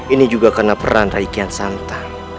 ini juga karena peran rai kian santan